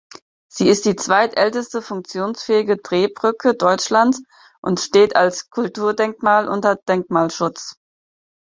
Sie ist die zweitälteste funktionsfähige Drehbrücke Deutschlands und steht als Kulturdenkmal unter Denkmalschutz.